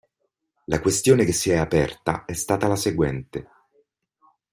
La questione che si è aperta è stata la seguente.